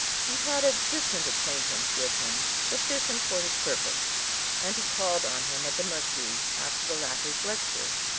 He had a distant acquaintance with him, sufficient for his purpose, and he called on him at the Mercury after the latter's lecture.